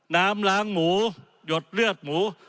น้ำล้างหมูหยดเลือดหมู